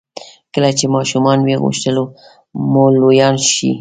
کله چې ماشومان وئ غوښتل مو لویان شئ.